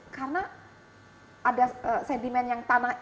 karena ada sedimen yang tanah